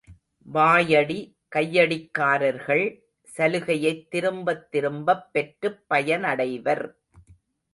வாயடி, கையடிக்காரர்கள் சலுகையைத் திரும்பத் திரும்பப் பெற்றுப் பயனடைவர்.